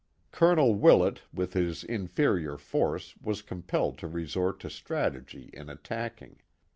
Colonel Willett with his inferior force was compelled to re sort to strategy in attacking.